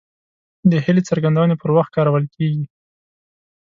د هیلې څرګندونې پر وخت کارول کیږي.